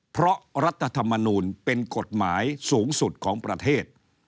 เพราะรัฐธรรมนูลเป็นกฎหมายสูงสุดของประเทศ